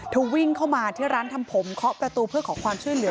วิ่งเข้ามาที่ร้านทำผมเคาะประตูเพื่อขอความช่วยเหลือ